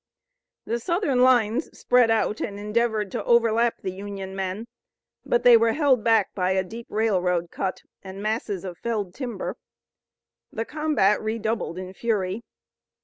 The Southern lines spread out and endeavored to overlap the Union men, but they were held back by a deep railroad cut and masses of felled timber. The combat redoubled in fury.